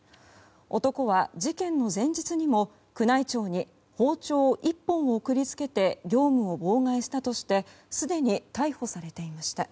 男は事件の前日にも宮内庁に包丁１本を送りつけて業務を妨害したとしてすでに逮捕されていました。